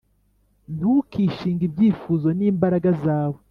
Ntukishinge ibyifuzo n’imbaraga zawe,